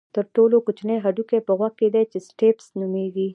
تر ټولو کوچنی هډوکی په غوږ کې دی چې سټیپس نومېږي.